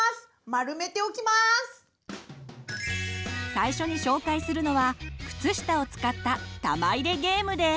最初に紹介するのは靴下を使った玉入れゲームです。